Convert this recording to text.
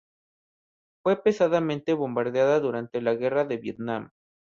Fue pesadamente bombardeada durante la Guerra de Vietnam.